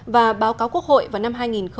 và báo cáo quốc hội vào năm hai nghìn hai mươi